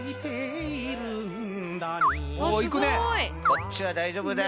こっちは大丈夫だ。